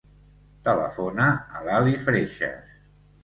Telefona a l'Ali Freixas.